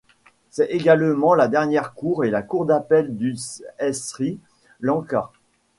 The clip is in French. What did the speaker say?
C'est également la dernière cour et la cour d'appel du Sri Lanka.